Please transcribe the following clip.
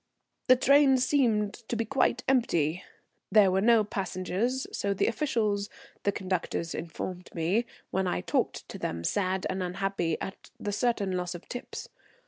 The train seemed to be quite empty; there were no passengers, so the officials, the conductors, informed me when I talked to them, sad and unhappy at the certain loss of tips.